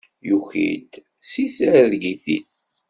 Yuki-d seg targit-is.